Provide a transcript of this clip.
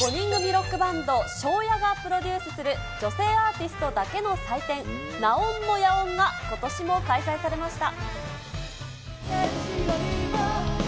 ロックバンド、ＳＨＯＷーＹＡがプロデュースする女性アーティストだけの祭典、ナオンのヤオンがことしも開催されました。